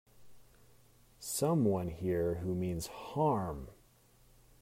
Some one here who means harm!